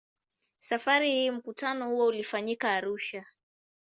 Safari hii mkutano huo ulifanyika Arusha.